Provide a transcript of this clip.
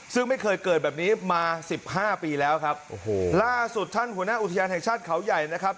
ซึ่งไม่เคยเกิดแบบนี้มาสิบห้าปีแล้วครับโอ้โหล่าสุดท่านหัวหน้าอุทยานแห่งชาติเขาใหญ่นะครับ